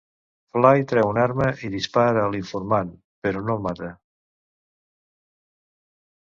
Fly treu una arma i dispara a l'informant, però no el mata.